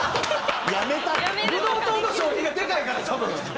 ブドウ糖の消費がでかいから多分。